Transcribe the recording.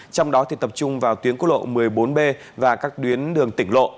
trong đó thì tập trung vào tuyến cốt lộ một mươi bốn b và các đuyến đường tỉnh lộ